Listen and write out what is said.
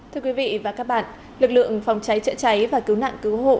thưa quý vị và các bạn lực lượng phòng cháy chữa cháy và cứu nạn cứu hộ